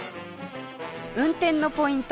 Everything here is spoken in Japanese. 運転のポイント